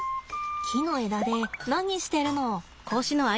木の枝で何してるの？